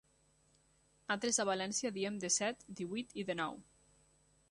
Nosaltres a Valencia diem dèsset, díhuit i dènou.